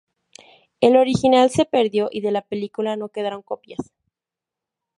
El original se perdió y de la película no quedaron copias.